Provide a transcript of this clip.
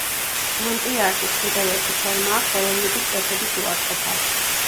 ანტი-არტის კიდევ ერთი ფორმაა ხელოვნების კეთების უარყოფა.